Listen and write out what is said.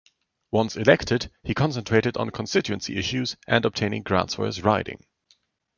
Once elected, he concentrated on constituency issues and obtaining grants for his riding.